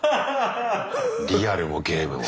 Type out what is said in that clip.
リアルもゲームも。